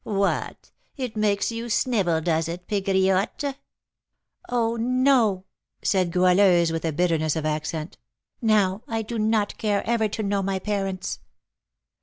What! it makes you snivel, does it, Pegriotte?" "Oh, no," said Goualeuse, with a bitterness of accent; "now I do not care ever to know my parents."